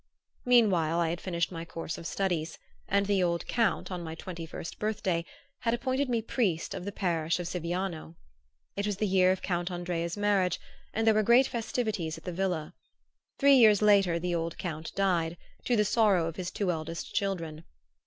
Meanwhile I had finished my course of studies, and the old Count, on my twenty first birthday, had appointed me priest of the parish of Siviano. It was the year of Count Andrea's marriage and there were great festivities at the villa. Three years later the old Count died, to the sorrow of his two eldest children.